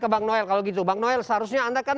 ke bang noel kalau gitu bang noel seharusnya anda kan